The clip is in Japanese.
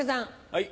はい。